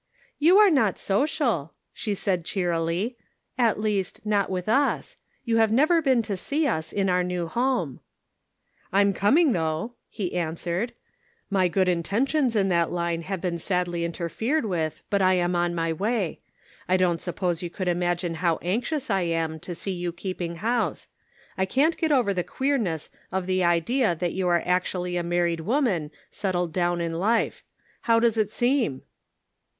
" You are not social," she said, cheerily, "at least not with us ; you have never been to see us in our new home." " I'm coming, though, he answered. " My good intentions in that line have been sadly interfered with, but I am on my way. I don't suppose you could imagine how anxious I am to see you keeping house. I can't get over the queerness of the idea that you are actually a married woman, settled down in life. How does it seem